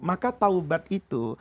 maka taubat itu